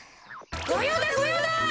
ごようだごようだ！